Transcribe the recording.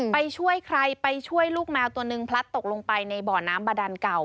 ไปช่วยใครไปช่วยลูกแมวตัวหนึ่งพลัดตกลงไปในบ่อน้ำบาดานเก่า